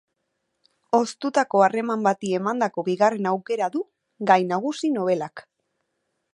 Hoztutako harreman bati emandako bigarren aukera du gai nagusi nobelak.